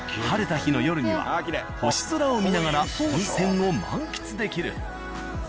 晴れた日の夜には星空を見ながら温泉を満喫できる。